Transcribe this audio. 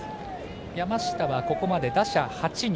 山下はここまで打者８人。